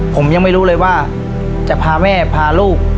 ผมยังไม่รู้เลยว่าจะพาแม่พาลูก